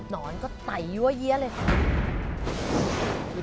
หนอนก็ไต่ยั้วเยี้ยะเลย